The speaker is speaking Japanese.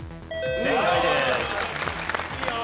正解です。